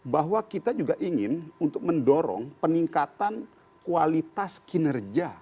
bahwa kita juga ingin untuk mendorong peningkatan kualitas kinerja